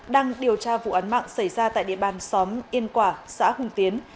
đang điều tra vụ án mạng xảy ra tại địa bàn xóm yên quả xã hùng tiến